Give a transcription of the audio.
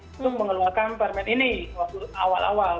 untuk mengeluarkan permen ini waktu awal awal